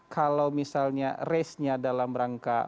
kalau misalnya resnya dalam rangka